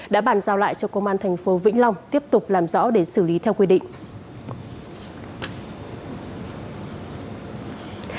đã bàn giao lại cho công an thành phố vĩnh long tiếp tục làm rõ để xử lý theo quy định